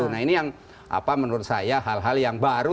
nah ini yang menurut saya hal hal yang baru